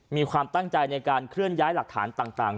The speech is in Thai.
มีความตั้งใจในการเคลื่อนย้ายหลักฐานต่าง